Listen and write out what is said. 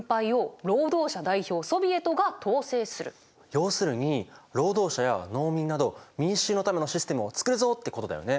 要するに労働者や農民など民衆のためのシステムを作るぞ！ってことだよね。